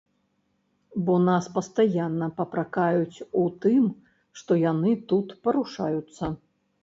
Бо нас пастаянна папракаюць у тым, што яны тут парушаюцца.